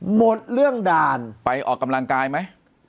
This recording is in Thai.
หมดเรื่องด่านไปออกกำลังกายไหม